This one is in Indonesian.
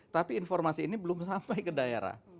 tapi informasi ini belum sampai ke daerah